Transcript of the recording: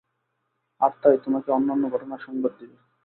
আর তাই তোমাকে অন্যান্য ঘটনার সংবাদ দিবে।